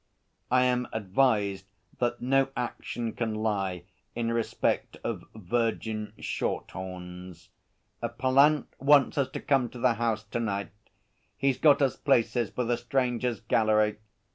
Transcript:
I am advised that no action can lie in respect of virgin Shorthorns. Pallant wants us to come to the House to night. He's got us places for the Strangers' Gallery.